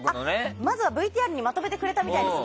まずはＶＴＲにまとめていただいたみたいです。